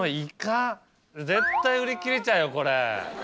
絶対売り切れちゃうよこれ。